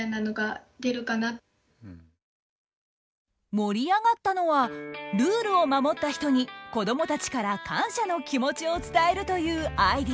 盛り上がったのはルールを守った人に子どもたちから感謝の気持ちを伝えるというアイデア。